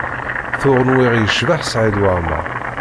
Tuɣ nwiɣ yecbeḥ Saɛid Waɛmaṛ.